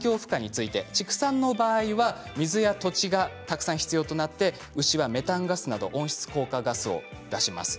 畜産の場合は水や土地がたくさん必要になって牛はメタンガスなど温室効果ガスを出します。